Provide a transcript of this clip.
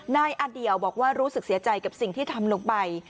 นายอเดี่ยวบอกว่ารู้สึกเสียใจกับสิ่งที่ทำลงไป